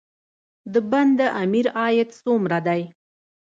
د بند امیر عاید څومره دی؟